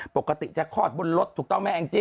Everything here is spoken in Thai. ปกติจะคลอดบนรถถูกต้องไหมแองจี้